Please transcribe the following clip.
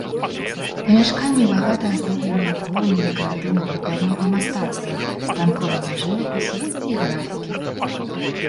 Памяшканні багата аздобленыя творамі дэкаратыўна-прыкладнога мастацтва, станковага жывапісу і графікі.